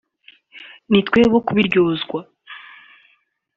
nitwe bo kubiryozwa